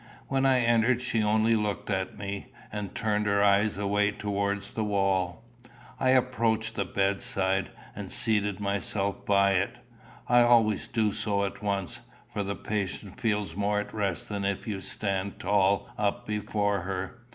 When I entered she only looked at me, and turned her eyes away towards the wall. I approached the bedside, and seated myself by it. I always do so at once; for the patient feels more at rest than if you stand tall up before her.